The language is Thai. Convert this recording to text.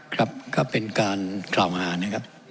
ครับก็เป็นการกล่าวหานะครับ